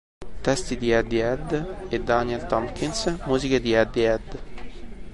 Testi di Eddie Head e Daniel Tompkins, musiche di Eddie Head.